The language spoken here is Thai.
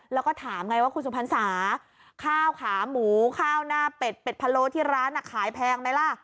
แล้วก็ถามไงว่าคุณสุพรรษาข้าวขาหมูข้าวหน้าเป็ดเป็ดพะโล้ที่ร้านขายแพงไหมล่ะ